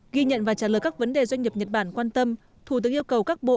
ghi nhận và trả lời các vấn đề doanh nghiệp nhật bản quan tâm thủ tướng yêu cầu các bộ